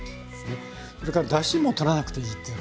それからだしもとらなくていいっていう。